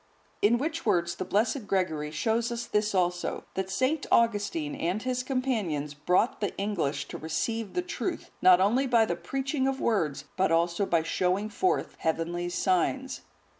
In which words the blessed Gregory shows us this also, that St. Augustine and his companions brought the English to receive the truth, not only by the preaching of words, but also by showing forth heavenly signs.